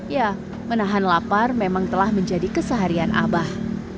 ya menahan lapar memang telah menjadi keseharian abah